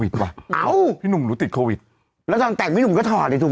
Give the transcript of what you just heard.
เธอน่ะไม่ควรจะรอด